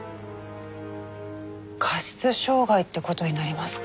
過失傷害って事になりますか。